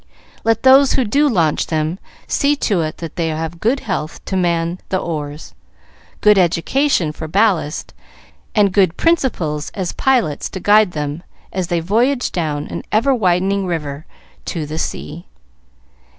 Let those who launch them see to it that they have good health to man the oars, good education for ballast, and good principles as pilots to guide them as they voyage down an ever widening river to the sea.